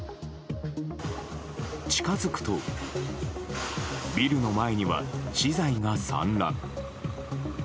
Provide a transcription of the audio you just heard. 近づくとビルの前には資材が散乱。